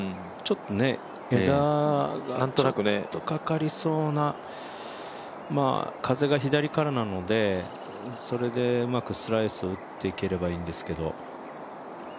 枝がちょっとかかりそうな、風が左からなのでそれでうまくスライスを打っていければいいんですけど。